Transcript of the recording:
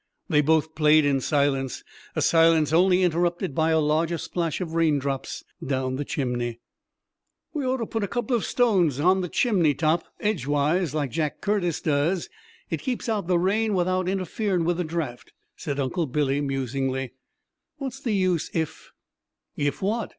They both played in silence a silence only interrupted by a larger splash of raindrops down the chimney. "We orter put a couple of stones on the chimney top, edgewise, like Jack Curtis does. It keeps out the rain without interferin' with the draft," said Uncle Billy musingly. "What's the use if" "If what?"